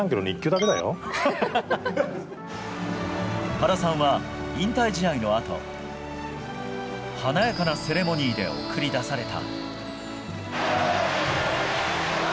原さんは引退試合のあと華やかなセレモニーで送り出された。